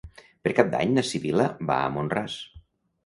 Per Cap d'Any na Sibil·la va a Mont-ras.